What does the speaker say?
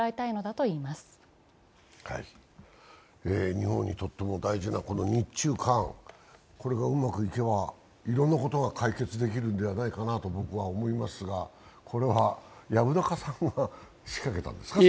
日本にとっても大事な日中韓、これがうまくいけば、いろんなことが解決できるのではないかなと僕は思いますがこれは薮中さんが仕掛けたんですか？